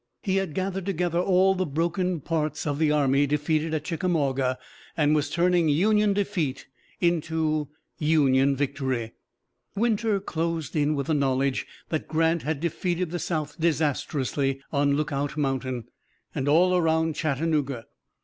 He had gathered together all the broken parts of the army defeated at Chickamauga and was turning Union defeat into Union victory. Winter closed in with the knowledge that Grant had defeated the South disastrously on Lookout Mountain and all around Chattanooga.